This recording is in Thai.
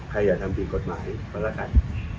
ใครอยากทำเป็นกฎหมายเค้าละกัน